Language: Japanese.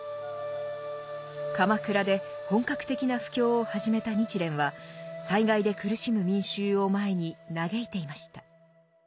鎌倉で本格的な布教を始めた日蓮は災害で苦しむ民衆を前に嘆いていました。